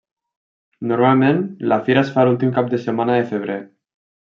Normalment la fira es fa l'últim cap de setmana de febrer.